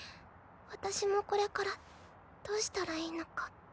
私もこれからどうしたらいいのか。